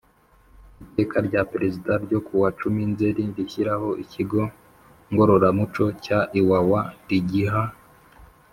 Iteka rya Perezida N ryo ku wa cumi nzeri rishyiraho ikigo Ngororamuco cya Iwawa rigiha